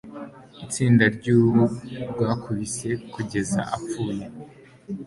Itsinda ryuruhu rwakubise kugeza apfuye.